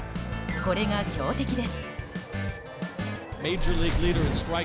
これが強敵です。